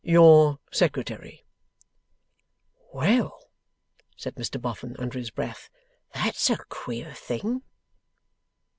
'Your Secretary.' 'Well,' said Mr Boffin, under his breath, 'that's a queer thing!